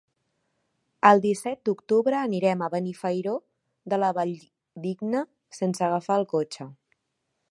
El disset d'octubre anirem a Benifairó de la Valldigna sense agafar el cotxe.